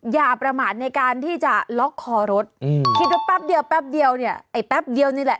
อย่าประมาทในการที่จะล็อกคอรถคิดว่าแป๊บเดี๋ยวแป๊บเดียวนี่แหละ